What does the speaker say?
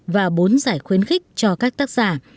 và bốn giải khuyến khích cho các tác giả